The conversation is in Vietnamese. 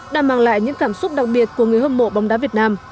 đã mang lại những cảm xúc đặc biệt của người hâm mộ bóng đá việt nam